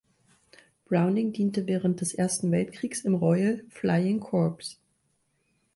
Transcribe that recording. Browning diente während des Ersten Weltkriegs im Royal Flying Corps.